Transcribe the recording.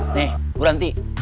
nih bu ranti